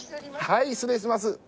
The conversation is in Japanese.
はい失礼します